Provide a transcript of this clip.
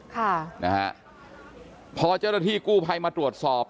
ค่ะนะฮะพอเจ้าหน้าที่กู้ภัยมาตรวจสอบ